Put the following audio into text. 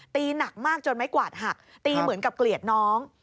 หนักมากจนไม้กวาดหักตีเหมือนกับเกลียดน้อง